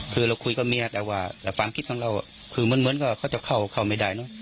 คือเราคุยกับเมียแต่ว่าความคิดของเราคือเหมือนกับเขาจะเข้าไม่ได้เนอะ